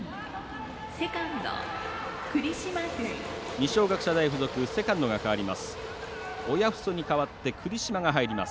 二松学舎大付属セカンドが代わります。